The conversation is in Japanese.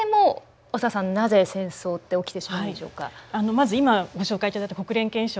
まず今ご紹介いただいた国連憲章